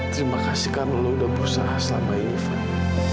terima kasih karena lo udah berusaha selama ini fadil